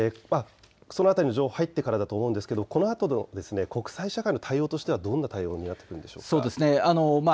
その辺りの情報が入ってからのことと思うんですがこのあとの国際社会の対応としてはどんな対応になってくるでしょうか。